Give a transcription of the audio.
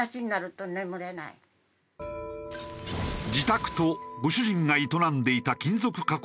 自宅とご主人が営んでいた金属加工